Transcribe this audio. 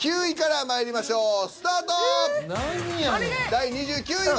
第２９位は。